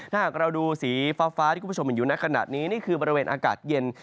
ถ้าหากเราดูสีฟ้าที่คุณผู้ชมเห็นอยู่ในขณะนี้นี่คือบริเวณอากาศเย็น